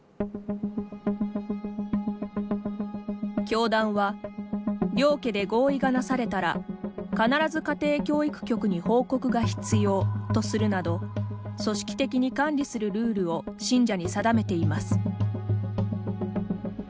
教団は「両家で合意がなされたら必ず家庭教育局に報告が必要」とするなど組織的に管理するルールを信者に定めています。